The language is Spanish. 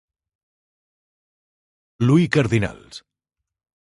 Louis Cardinals.